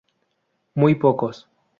Muy pocos.